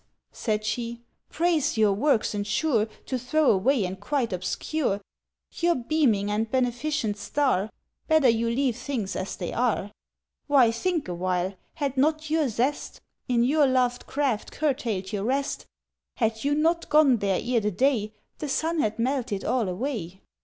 said she. "Praise your works ensure To throw away, and quite obscure "Your beaming and beneficent star? Better you leave things as they are! "Why, think awhile. Had not your zest In your loved craft curtailed your rest— "Had you not gone there ere the day The sun had melted all away!"